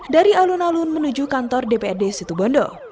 dari alun alun menuju kantor dprd situbondo